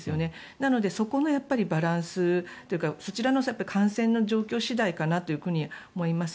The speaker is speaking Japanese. なので、そこのバランスというかそちらの感染の状況次第かなと思います。